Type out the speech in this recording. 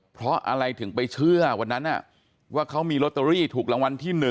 เพราะอะไรถึงไปเชื่อวันนั้นว่าเขามีลอตเตอรี่ถูกรางวัลที่๑